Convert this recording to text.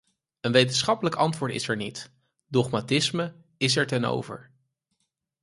Een wetenschappelijk antwoord is er niet; dogmatisme is er ten over.